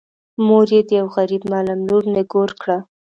مور یې د یوه غريب معلم لور نږور کړه.